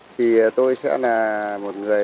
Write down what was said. thì tôi sẽ là một người